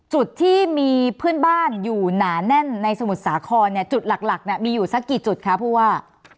จุดที่มีเพื่อนบ้านอยู่หนาแน่นในสมุทรสาครเนี่ยจุดหลักเนี่ยมีอยู่สักกี่จุดคะผู้ว่า